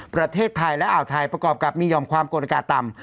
ประเทศไทยและอ่าวไทยประกอบกับมีห่อมความกดอากาศต่ำ